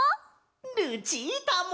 ルチータも！